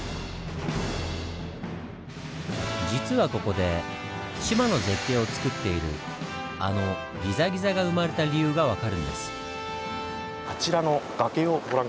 実はここで志摩の絶景をつくっているあの「ギザギザ」が生まれた理由が分かるんです。